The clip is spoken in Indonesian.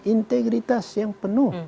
integritas yang penuh